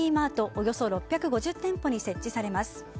およそ６５０店舗に設置されます。